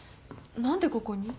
何でここに？